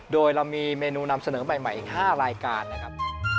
โดยเรามีเมนูนำเสนอใหม่อีก๕รายการนะครับ